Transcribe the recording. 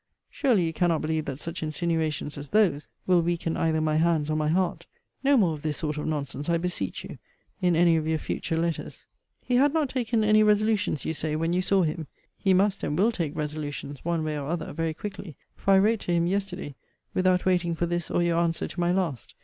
Surely you cannot believe that such insinuations as those will weaken either my hands or my heart. No more of this sort of nonsense, I beseech you, in any of your future letters. He had not taken any resolutions, you say, when you saw him. He must and will take resolutions, one way or other, very quickly; for I wrote to him yesterday, without waiting for this or your answer to my last.